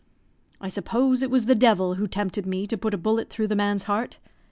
I suppose it was the devil who tempted me to put a bullet through the man's heart.